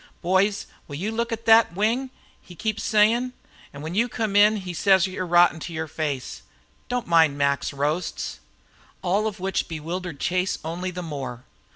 'Boys, will you look at thet wing?' he keeps sayin'. An' when you come in he says you're rotten to yer face. Don't mind Mac's roasts." All of which bewildered Chase only the more.